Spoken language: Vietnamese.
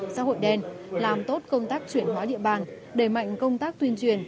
xã hội đen làm tốt công tác chuyển hóa địa bàn đẩy mạnh công tác tuyên truyền